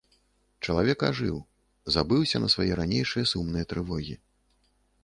Чалавек ажыў, забыўся на свае ранейшыя сумныя трывогі.